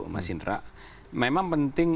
mas indra memang penting